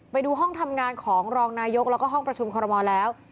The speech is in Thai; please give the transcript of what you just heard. ไปดูห้องทำงานของรองนายกแล้วก็ห้องประชุมคอรมอลแล้ว